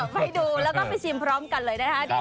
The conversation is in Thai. ไปดูแล้วก็ไปชิมพร้อมเลยนะครับ